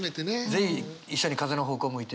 是非一緒に風の方向向いて。